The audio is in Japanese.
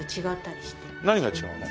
何が違うの？